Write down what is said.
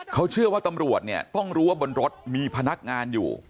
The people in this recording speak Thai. เขาเชื่อว่าตำรวจเนี่ยต้องรู้ว่าบนรถมีพนักงานอยู่